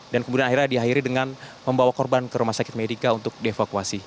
dan kemudian akhirnya diakhiri dengan membawa korban ke rumah sakit medika untuk dievakuasi